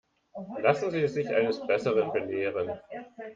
Lassen Sie sich eines Besseren belehren.